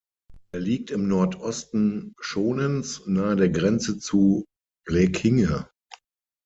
Er liegt im Nordosten Schonens, nahe der Grenze zu Blekinge.